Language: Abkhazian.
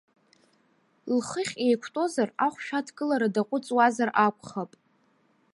Лхыхь еиқәтәозар, ахәшә адкылара даҟәыҵуазар акәхап.